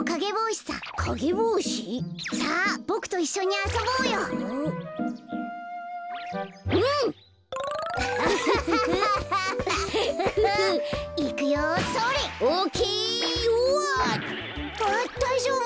あっだいじょうぶ？